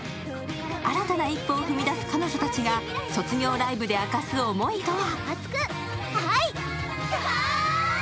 新たな一歩を踏み出す彼女たちが卒業ライブで明かす思いとは？